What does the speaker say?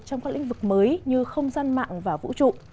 trong các lĩnh vực mới như không gian mạng và vũ trụ